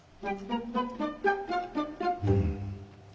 うん。